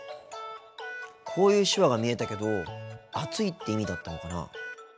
こういう手話が見えたけど暑いって意味だったのかな。